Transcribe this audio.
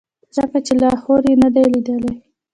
ځکه چې لاهور یې نه دی لیدلی.